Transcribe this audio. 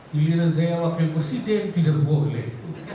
giliran saya wakil presiden tidak boleh